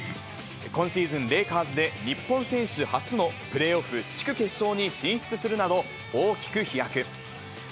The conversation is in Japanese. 今シーズン、レイカーズで日本選手初のプレーオフ地区決勝に進出するなど、大きく飛躍。